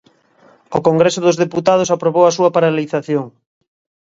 O Congreso dos Deputados aprobou a súa paralización.